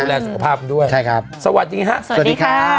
ดูแลสุขภาพกันด้วยใช่ครับสวัสดีครับสวัสดีครับ